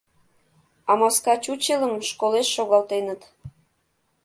— А маска чучелым школеш шогалтеныт...